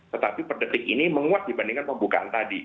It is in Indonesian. tetapi per detik ini menguat dibandingkan pembukaan tadi